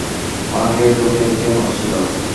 অনেকে ধুঁকে ধুঁকে মরছিল।